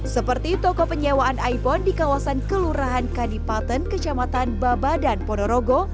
seperti toko penyewaan iphone di kawasan kelurahan kadipaten kecamatan babadan ponorogo